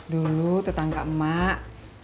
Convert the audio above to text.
dulu tetangga emak